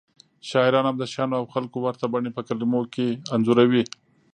شاعران هم د شیانو او خلکو ورته بڼې په کلمو کې انځوروي